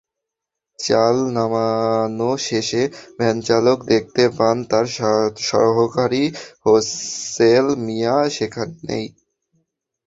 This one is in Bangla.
চাল নামানো শেষে ভ্যানচালক দেখতে পান তাঁর সহকারী সোহেল মিয়া সেখানে নেই।